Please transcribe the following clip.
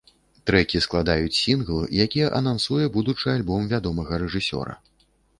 Трэкі складаюць сінгл, які анансуе будучы альбом вядомага рэжысёра.